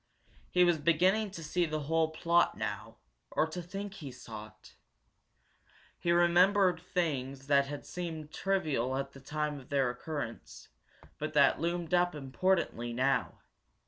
He was beginning to see the whole plot now, or to think he saw it. He remembered things that had seemed trivial at the time of their occurrence, but that loomed up importantly now.